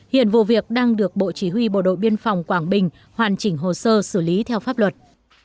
hiện vụ việc đang được bộ chỉ huy bộ đội biên phòng quảng bình hoàn chỉnh hồ sơ xử lý theo pháp luật